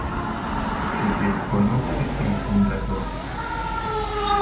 Se desconoce el fundador.